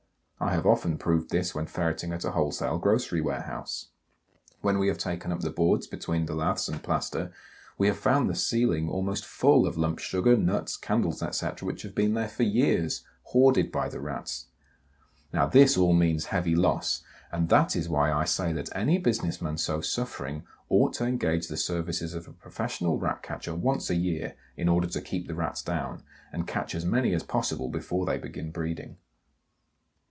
I have often proved this when ferreting at a wholesale grocery warehouse. When we have taken up the boards between the laths and plaster we have found the ceiling almost full of lump sugar, nuts, candles, etc., which have been there for years, hoarded by the Rats. Now, this all means heavy loss, and that is why I say that any business man so suffering ought to engage the services of a professional Rat catcher once a year in order to keep the Rats down, and catch as many as possible before they begin breeding.